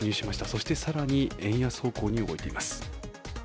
そして更に円安方向に動いています。